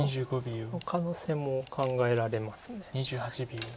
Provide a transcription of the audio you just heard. その可能性も考えられます。